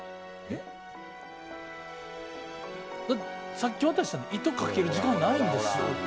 さっき渡したんで糸かける時間ないんですよ。